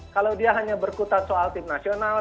kalau dia hanya berkutat soal tim nasional